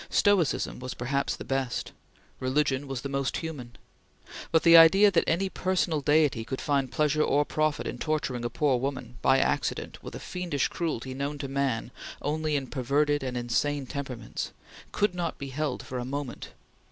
Stoicism was perhaps the best; religion was the most human; but the idea that any personal deity could find pleasure or profit in torturing a poor woman, by accident, with a fiendish cruelty known to man only in perverted and insane temperaments, could not be held for a moment.